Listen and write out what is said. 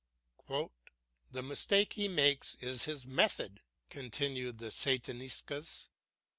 "The mistake he makes is in his method," continued the Sataniscus.